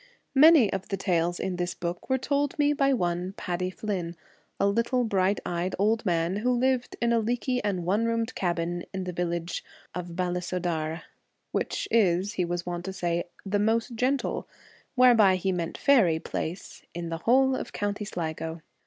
Many of the tales in this book were told me by one Paddy Flynn, a little bright eyed old man, who lived in a leaky and one roomed cabin in the village of Ballisodare, which is, he was wont to say, ' the most gentle '— whereby he meant faery — 'place in the whole of County Sligo.'